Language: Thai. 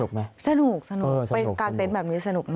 สนุกไหมสนุกเป็นการเต้นแบบนี้สนุกมาก